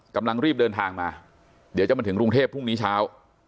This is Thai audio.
กำลังรีบเดินทางมาเดี๋ยวจะมาถึงกรุงเทพพรุ่งนี้เช้า